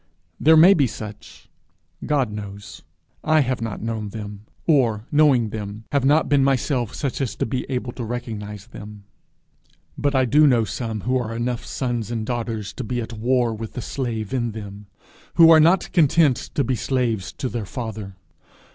There may be such God knows; I have not known them; or, knowing them, have not been myself such as to be able to recognize them. But I do know some who are enough sons and daughters to be at war with the slave in them, who are not content to be slaves to their father.